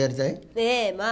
ええまあ。